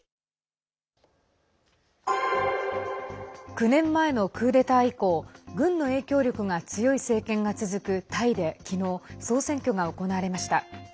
９年前のクーデター以降軍の影響力が強い政権が続くタイで、昨日総選挙が行われました。